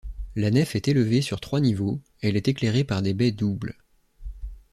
La nef est élevée sur trois niveaux, elle est éclairée par des baies doubles.